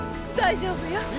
大丈夫よ。